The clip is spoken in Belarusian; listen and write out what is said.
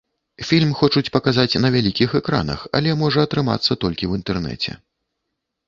Фільм хочуць паказаць на вялікіх экранах, але можа атрымацца толькі ў інтэрнэце.